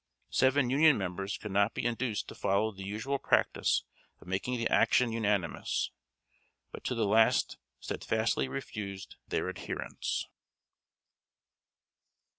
Seven Union members could not be induced to follow the usual practice of making the action unanimous, but to the last steadfastly refused their adherence.